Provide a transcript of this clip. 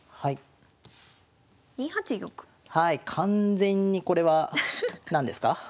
完全にこれは何ですか？